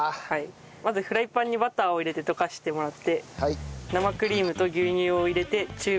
まずフライパンにバターを入れて溶かしてもらって生クリームと牛乳を入れて中火で５分ですね。